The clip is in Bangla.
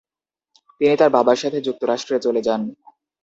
তিনি তার বাবার সাথে যুক্তরাষ্ট্রে চলে যান।